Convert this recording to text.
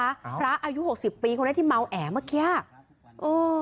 พระอายุ๖๐ปีเค้าได้ที่เมาแอเมื่อแค่